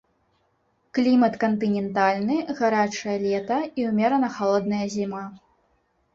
Клімат кантынентальны, гарачае лета і ўмерана халодная зіма.